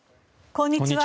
こんにちは。